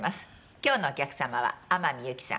今日のお客様は天海祐希さん。